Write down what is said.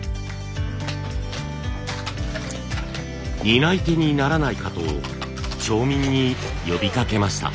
担い手にならないかと町民に呼びかけました。